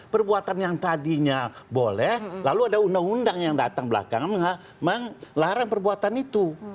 perbuatan yang tadinya boleh lalu ada undang undang yang datang belakangan melarang perbuatan itu